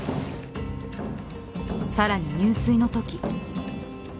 更に入水の時。